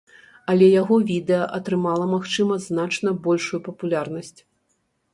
Але яго відэа атрымала, магчыма, значна большую папулярнасць.